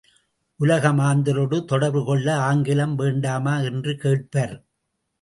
உலக மாந்தரொடு தொடர்பு கொள்ள ஆங்கிலம் வேண்டாமா என்று கேட்பர்.